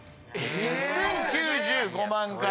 １，０９５万回。